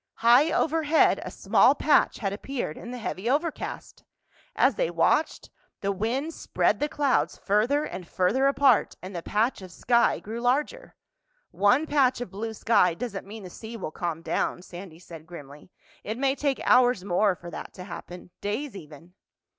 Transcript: High overhead a small patch had appeared in the heavy overcast. As they watched, the wind spread the clouds further and further apart and the patch of sky grew larger. "One patch of blue sky doesn't mean the sea will calm down," Sandy said grimly. "It may take hours more for that to happen—days even."